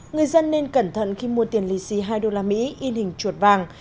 người dân nên cẩn thận khi mua tiền lì xì hai usd in hình chuột vàng